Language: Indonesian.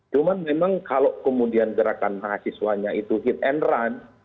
cuma memang kalau kemudian gerakan mahasiswanya itu hit and run